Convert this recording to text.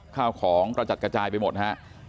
ข้าวของกระจัดกระจายไปหมดฮะ